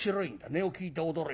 値を聞いて驚いた。